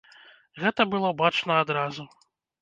Гэта было бачна адразу.